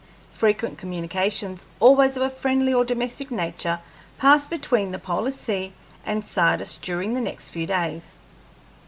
Frequent communications, always of a friendly or domestic nature, passed between the polar sea and Sardis during the next few days.